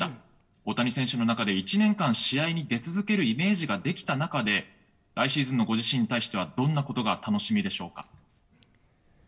大谷選手の中で、１年間試合に出続けるイメージができた中で、来シーズンのご自身に対しては、どんなことが楽しみでしょうか。